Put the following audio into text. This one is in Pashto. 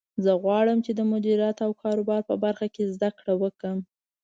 زه غواړم چې د مدیریت او کاروبار په برخه کې زده کړه وکړم